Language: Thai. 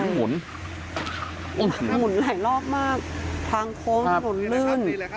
หมุนหลายรอบมากทางโค้งถนนลื่น